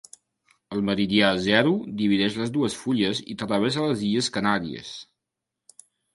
El meridià zero divideix les dues fulles i travessa les illes Canàries.